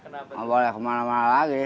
nggak boleh kemana mana lagi